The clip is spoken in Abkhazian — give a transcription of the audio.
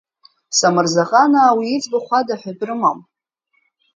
Самырзаҟанаа уи иӡбахә ада ҳәатәы рымам.